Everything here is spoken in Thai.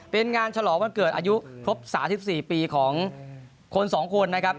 เป็นงานฉลองวันเกิดอายุครบ๓๔ปีของคน๒คนนะครับ